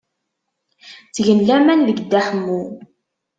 Ttgent laman deg Dda Ḥemmu.